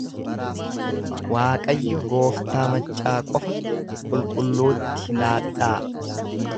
Waaqayyo gooftaa maccaa qofa qulqulluutti laadhaa.